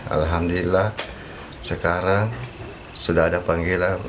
alhamdulillah sekarang sudah ada panggilan